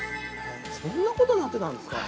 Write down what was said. そんな事になってたんですか。